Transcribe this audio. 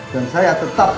dan saya tetap